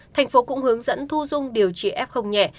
thành phố cũng hướng dẫn thu dung điều trị f nhẹ